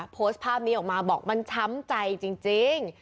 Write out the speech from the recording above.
โพสต์ภาพนี้ออกมาบอกมันช้ำใจจริง